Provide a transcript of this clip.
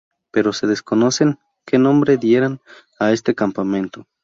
Pero se desconocen que nombre dieran a este campamento.